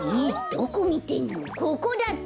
ここだって！